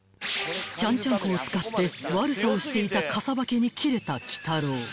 ［ちゃんちゃんこを使って悪さをしていた傘化けにキレた鬼太郎］